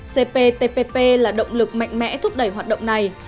cptpp là động lực mạnh mẽ thúc đẩy hoạt động này